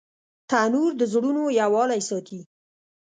تنور د زړونو یووالی ساتي